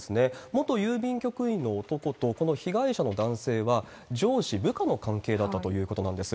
元郵便局員の男と、この被害者の男性は、上司、部下の関係だったということなんです。